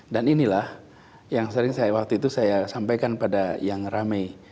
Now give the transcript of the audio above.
dan inilah yang sering saya waktu itu saya sampaikan pada yang rame